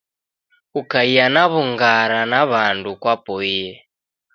Kukaia na w'ung'ara na wandu kwapoie